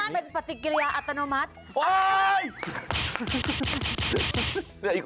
เป็นปฏิกิริยาอัตโนมัติ